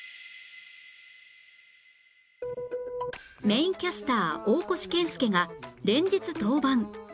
メインキャスター大越健介が連日登板